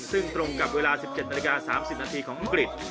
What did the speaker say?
ซึ่งตรงกับเวลา๑๗นาฬิกา๓๐นาทีของอังกฤษ